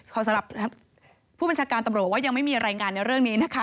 สำหรับผู้บัญชาการตำรวจว่ายังไม่มีรายงานในเรื่องนี้นะคะ